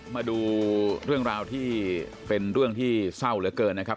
มาดูเรื่องราวที่เป็นเรื่องที่เศร้าเหลือเกินนะครับ